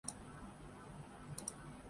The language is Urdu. پاکستان میں ڈھشوم پر پابندی ورن دھون مایوس